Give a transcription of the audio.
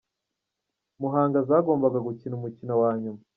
Muhanga zagombaga gukina umukino wa nyuma.